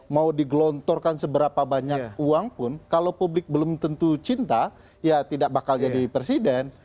mau digelontorkan seberapa banyak uang pun kalau publik belum tentu cinta ya tidak bakal jadi presiden